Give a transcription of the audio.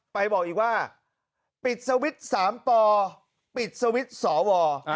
ไปบอกอีกว่าปิดสวิตช์๓ปปิดสวิตช์สว